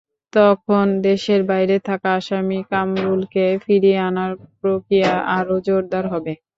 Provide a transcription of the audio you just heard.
তখন দেশের বাইরে থাকা আসামি কামরুলকে ফিরিয়ে আনার প্রক্রিয়া আরও জোরদার হবে।